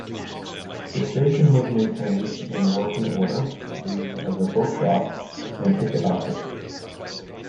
The station was maintained in working order, used as a bookshop and ticket office.